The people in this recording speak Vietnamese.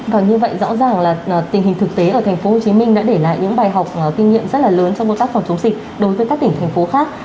còn như vậy rõ ràng là tình hình thực tế ở tp hcm đã để lại những bài học kinh nghiệm rất là lớn trong công tác phòng chống dịch đối với các tỉnh thành phố khác